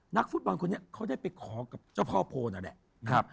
นักฟุตบอลคนนี้เขาได้ไปขอกับเจ้าพ่อโพลนั่นแหละนะครับ